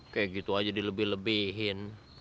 kayak gitu aja dilebih lebihin